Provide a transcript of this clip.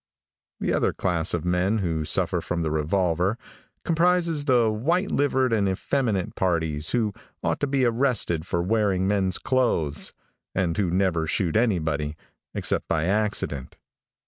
The other class of men who suffer from the revolver comprises the white livered and effeminate parties who ought to be arrested for wearing men's clothes, and who never shoot anybody except by accident.